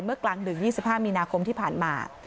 เมื่อกลางหนึ่ง๒๕มีนาคมที่ผ่านมา